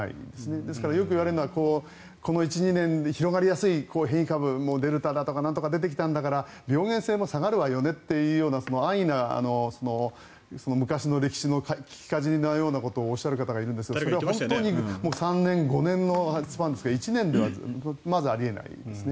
ですから、よく言われるのはここ１２年、広がりやすい変異株、デルタだとかなんだか出てきたんだから病原性も下がるよねという安易な昔の歴史の聞きかじりのようなことをおっしゃる方がいますが３年、５年のスパンですから１年ではまずあり得ないですね。